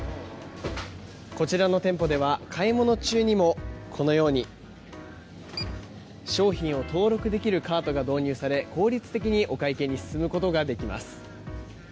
こちらの店舗では買い物中にもこのように、商品を登録できるカートが導入され効率的にお会計に進むことができます。